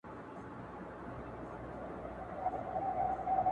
او نه یې تاسې په تطبیقولو مکلف یاست